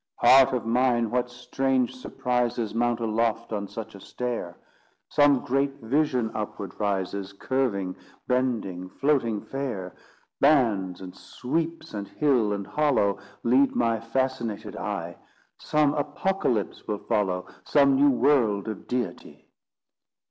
Heart of mine! what strange surprises Mount aloft on such a stair! Some great vision upward rises, Curving, bending, floating fair. Bands and sweeps, and hill and hollow Lead my fascinated eye; Some apocalypse will follow, Some new world of deity.